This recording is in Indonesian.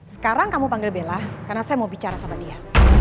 sekarang kamu panggil bella karena saya mau bicara sama dia